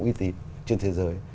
huy thiệp trên thế giới